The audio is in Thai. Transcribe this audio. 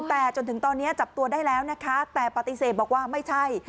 แต่จนถึงตอนนี้จับตัวได้แล้วนะคะแต่ปฏิเสธบอกว่าไม่ใช่